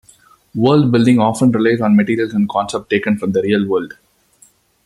World building often relies on materials and concepts taken from the real world.